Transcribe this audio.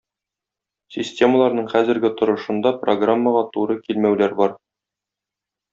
Системаларның хәзерге торышында программага туры килмәүләр бар.